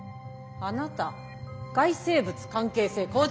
あなた外生物関係性構築